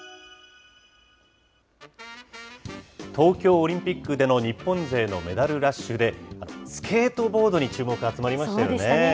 東京オリンピックでの日本勢のメダルラッシュで、スケートボードに注目が集まりましたよね。